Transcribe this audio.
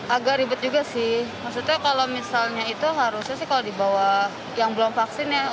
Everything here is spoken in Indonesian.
agak ribet juga sih maksudnya kalau misalnya itu harusnya sih kalau di bawah yang belum vaksin ya